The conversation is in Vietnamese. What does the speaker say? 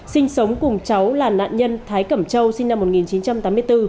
sinh sống cùng cháu là nạn nhân thái cẩm châu sinh năm một nghìn chín trăm tám mươi bốn